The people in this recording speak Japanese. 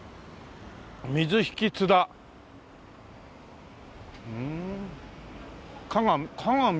「水引津田」ふん「加賀水引」。